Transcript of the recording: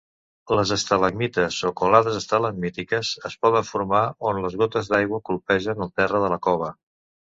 Les estalagmites o colades estalagmítiques es poden formar on les gotes d'aigua colpegen el terra de la cova.